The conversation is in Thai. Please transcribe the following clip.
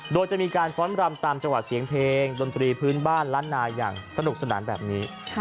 โดยจะมีการฟ้อนรำตามจังหวัดเสียงเพลงดนตรีพื้นบ้านล้านนาอย่างสนุกสนานแบบนี้